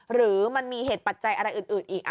หรือมันมีเหตุปัจจัยอะไรอื่นอีก